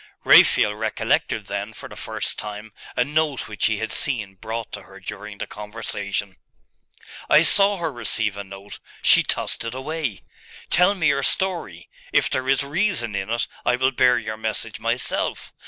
Raphael recollected then, for the first time, a note which he had seen brought to her during the conversation. 'I saw her receive a note. She tossed it away. Tell me your story. If there is reason in it, I will bear your message myself.